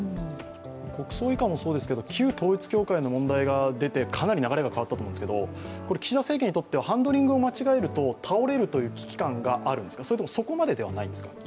国葬いかんもそうですけれども旧統一教会の問題が出てかなり流れが変わったと思うんですけれども、岸田政権にとってはハンドリングを間違えると倒れるという危機感があるんですかそれとも、今は、そこまでではないんですか？